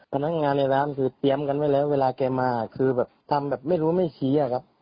พนักงานในร้านคือเตรียมกันไว้แล้วเวลาแกมาคือแบบทำแบบไม่รู้ไม่ชี้อะครับ